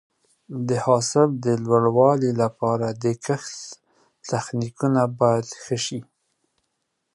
د حاصل د لوړوالي لپاره د کښت تخنیکونه باید ښه شي.